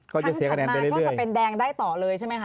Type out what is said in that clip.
ถัดมาก็จะเป็นแดงได้ต่อเลยใช่ไหมคะ